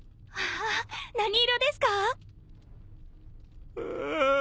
わぁ何色ですか？